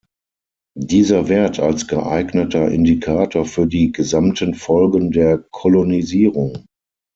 Dieser Wert als geeigneter Indikator für die gesamten Folgen der "Kolonisierung".